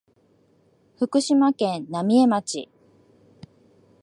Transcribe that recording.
福島県浪江町